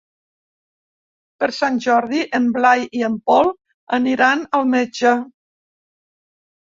Per Sant Jordi en Blai i en Pol aniran al metge.